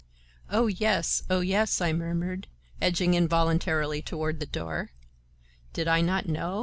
"Oh yes, oh yes!" I murmured, edging involuntarily toward the door. Did I not know?